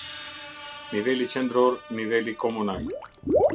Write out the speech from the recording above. Niveli qendror Niveli komunal.